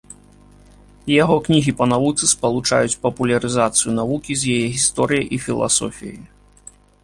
Яго кнігі пра навуцы спалучаюць папулярызацыю навукі з яе гісторыяй і філасофіяй.